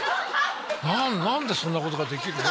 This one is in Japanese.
「何でそんなことができるの？」